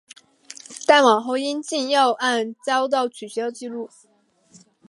但往后因禁药案遭到取消记录。